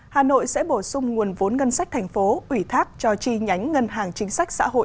hà nội sẽ bổ sung nguồn vốn ngân sách thành phố ủy thác cho chi nhánh ngân hàng chính sách xã hội